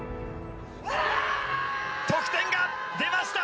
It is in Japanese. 得点が出ました。